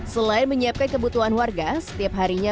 selain menyiapkan kebutuhan warga setiap harinya petugas juga melakukan